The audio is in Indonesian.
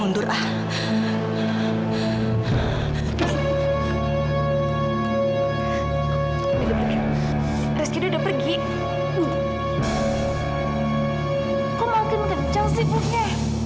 lu keluar dari sini